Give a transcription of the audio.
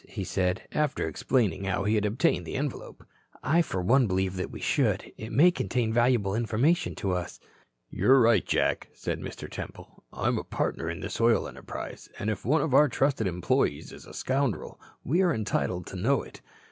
he said, after explaining how he had obtained the envelope. "I for one believe that we should. It may contain valuable information to us." "You're right, Jack," said Mr. Temple. "I'm a partner in this oil enterprise, and if one of our trusted employees is a scoundrel we are entitled to know it.